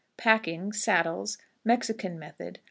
Packing. Saddles. Mexican Method.